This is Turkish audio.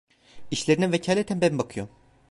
İşlerine vekaleten ben bakıyorum.